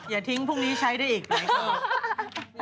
อย่าทิ้งพรุ่งนี้ใช้ได้อีกหลายคน